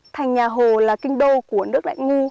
thành nhà hồ là kinh đô của nước lãnh ngu